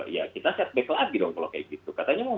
ya kita setback lagi dong kalau kayak gitu